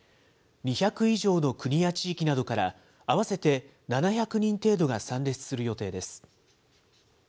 ２００以上の国や地域などから合わせて７００人程度が参列する予定です。